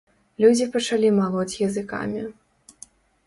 Людзі пачалі малоць языкамі.